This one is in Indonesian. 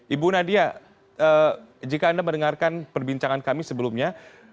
ibu nadia jika anda mendengarkan perbincangan kami sebelumnya